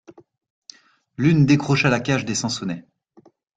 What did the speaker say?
L'une décrocha la cage des sansonnets.